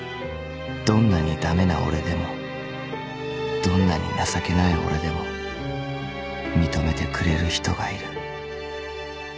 ［どんなに駄目な俺でもどんなに情けない俺でも認めてくれる人がいる］